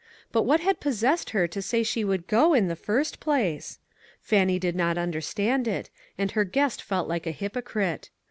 But what had possessed her to say she would go, in the first place ? Fannie did not understand it, and her guest felt like a hypocrite.